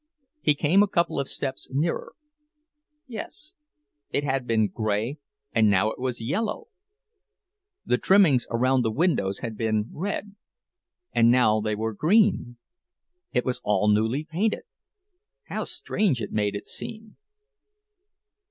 He came a couple of steps nearer. Yes; it had been gray and now it was yellow! The trimmings around the windows had been red, and now they were green! It was all newly painted! How strange it made it seem!